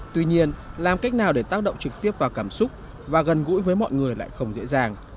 tuy nhiên làm cách nào để tác động trực tiếp vào cảm xúc và gần gũi với mọi người lại không dễ dàng